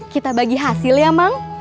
kita bagi hasil ya bang